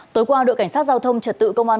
tối qua đội cảnh sát giao thông trật tự công an